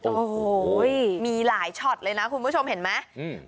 โอ้โหมีหลายช็อตเลยนะคุณผู้ชมเห็นไหมอืม